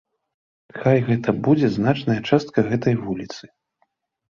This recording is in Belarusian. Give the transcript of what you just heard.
Хай гэта будзе значная частка гэтай вуліцы.